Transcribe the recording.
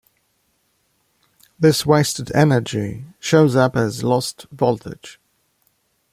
This wasted energy shows up as lost voltage.